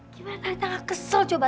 gimana tali tak ngekesel coba